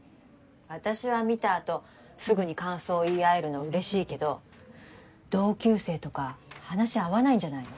私は観た後すぐに感想言い合えるの嬉しいけど同級生とか話合わないんじゃないの。